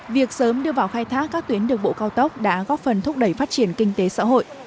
việc sớm đưa vào khai thác các tuyến đường bộ cao tốc đã góp phần thúc đẩy phát triển kinh tế xã hội